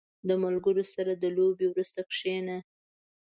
• د ملګرو سره د لوبې وروسته کښېنه.